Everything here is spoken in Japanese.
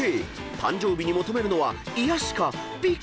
［誕生日に求めるのは癒やしか美か。